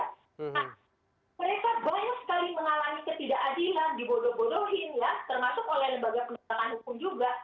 nah mereka banyak sekali mengalami ketidakadilan dibodoh bodohin ya termasuk oleh lembaga penegakan hukum juga